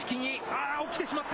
ああ、起きてしまった。